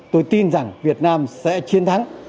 tôi tin rằng việt nam sẽ chiến thắng